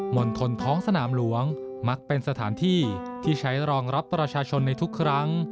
ณฑลท้องสนามหลวงมักเป็นสถานที่ที่ใช้รองรับประชาชนในทุกครั้ง